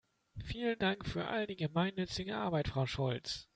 Vielen Dank für all die gemeinnützige Arbeit, Frau Schulz!